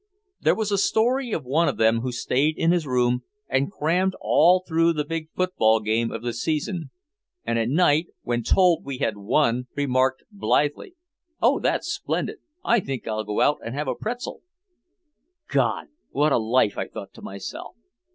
There was a story of one of them who stayed in his room and crammed all through the big football game of the season, and at night when told we had won remarked blithely, "Oh, that's splendid! I think I'll go out and have a pretzel!" God, what a life, I thought to myself!